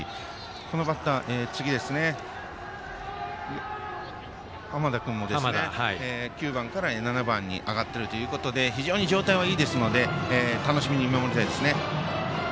次のバッター、濱田君も９番から７番に上がっているということで非常に状態はいいですので楽しみに見守りたいですね。